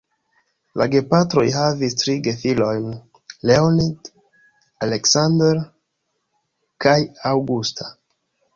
La gepatroj havis tri gefilojn: Leonid, "Aleksandr" kaj "Aŭgusta".